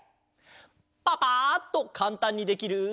パパッとかんたんにできる。